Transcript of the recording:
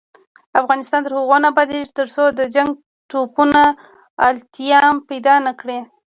افغانستان تر هغو نه ابادیږي، ترڅو د جنګ ټپونه التیام پیدا نکړي.